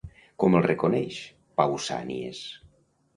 Com el reconeix, Pausànies?